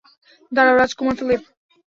দাঁড়াও, রাজকুমার ফিলিপ।